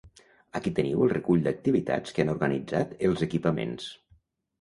Aquí teniu el recull d'activitats que han organitzat els equipaments.